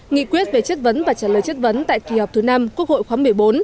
nghị quyết về chất vấn và trả lời chất vấn tại kỳ họp thứ năm quốc hội khóa một mươi bốn